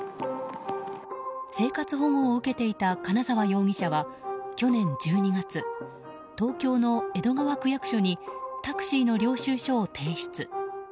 生活保護を受けていた金澤容疑者は去年１２月東京の江戸川区役所にタクシーの領収書を提出。